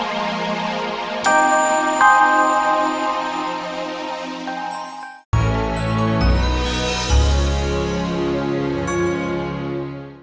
eh enak juga